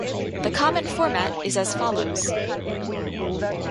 The common format is as follows.